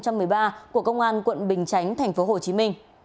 của công an quận bình chánh tp hcm